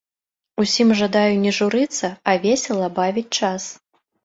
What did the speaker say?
Усім жадаю не журыцца, а весела бавіць час!